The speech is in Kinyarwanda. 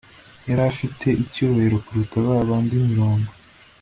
yari afite icyubahiro kuruta ba bandi mirongo